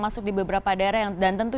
walaupun dimediatki batang anggotanya